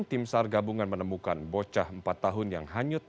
tim sar gabungan menemukan bocah empat tahun yang hanyut